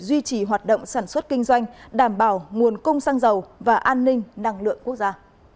duy trì hoạt động sản xuất kinh doanh đảm bảo nguồn cung xăng dầu và an ninh năng lượng quốc gia